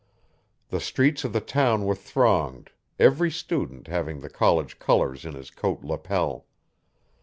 The streets of the town were thronged, every student having the college colours in his coat lapel.